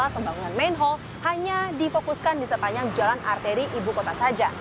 pembangunan main hall hanya difokuskan di sepanjang jalan arteri ibu kota saja